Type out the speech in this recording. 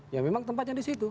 ya memang tempatnya di situ